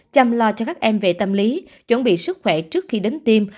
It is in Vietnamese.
chăm lo cho các em về tâm lý chuẩn bị sức khỏe trước khi đến tim